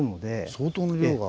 相当の量が。